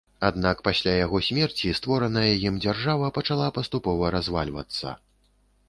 Аднак пасля яго смерці створаная ім дзяржава пачала паступова развальвацца.